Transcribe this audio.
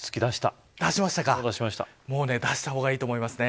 もう出した方がいいと思います。